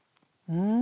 うん！